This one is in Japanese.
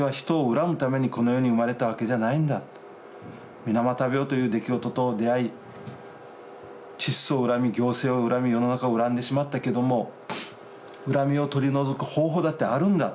水俣病という出来事と出会いチッソを恨み行政を恨み世の中を恨んでしまったけども恨みを取り除く方法だってあるんだと。